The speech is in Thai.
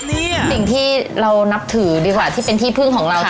สิ่งที่เรานับถือดีกว่าที่เป็นที่พึ่งของเรา